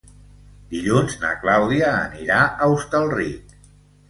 Dilluns na Clàudia anirà a Hostalric.